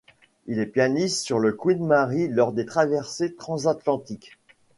Il est pianiste sur le Queen Mary lors des traversées transatlantiques.